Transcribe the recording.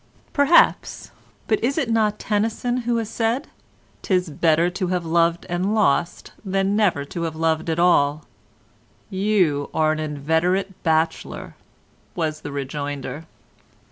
"Perhaps; but is it not Tennyson who has said: ''Tis better to have loved and lost, than never to have lost at all'?" "You are an inveterate bachelor," was the rejoinder.